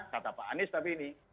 kata pak anies tapi ini